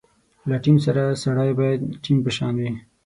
له ټیم سره سړی باید ټیم په شان وي.